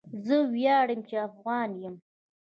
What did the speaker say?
زه ویاړم چې افغان یم.